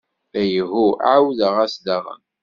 Ayhuh, ɛawdeɣ-as daɣen!